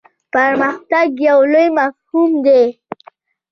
پرمختګ یو لوی مفهوم دی.